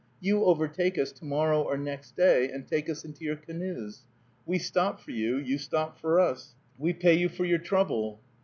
You overtake us to morrow or next day, and take us into your canoes. We stop for you, you stop for us. We pay you for your trouble."